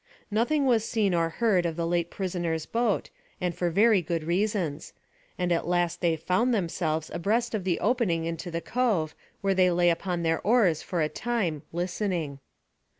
Nothing was seen or heard of the late prisoners' boat, and for very good reasons; and at last they found themselves abreast of the opening into the cove, where they lay upon their oars for a time listening.